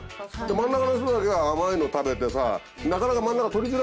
真ん中の人だけが甘いの食べてさなかなか。